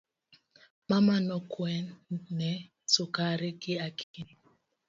Mama nokowne sukari gi Akinyi.